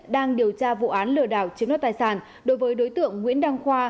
đang điều tra vụ án lừa đảo chiếm đoạt tài sản đối với đối tượng nguyễn đăng khoa